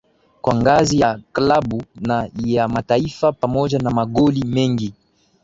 Kwa ngazi ya klabu na ya mataifa pamoja na magoli mengi